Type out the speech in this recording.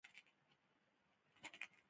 اساس د عقل، باور او اخلاقو یووالی دی.